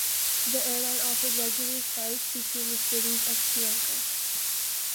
The airline offered regular flights between the cities of Cuenca.